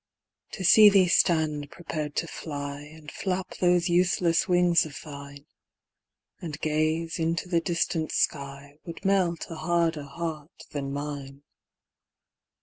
To see thee stand prepared to fly, And flap those useless wings of thine, And gaze into the distant sky, Would melt a harder heart than mine.